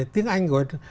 tiếng anh gọi là